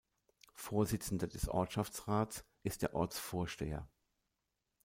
Vorsitzender des Ortschaftsrats ist der Ortsvorsteher.